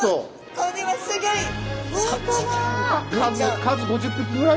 これはすギョい！